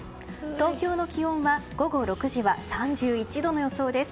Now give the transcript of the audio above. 東京の気温は午後６時は３１度の予想です。